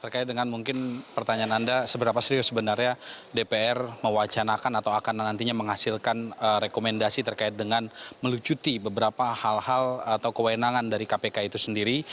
terkait dengan mungkin pertanyaan anda seberapa serius sebenarnya dpr mewacanakan atau akan nantinya menghasilkan rekomendasi terkait dengan melucuti beberapa hal hal atau kewenangan dari kpk itu sendiri